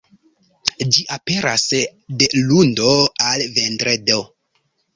Ĝi aperas de lundo al vendredo.